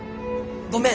ごめん！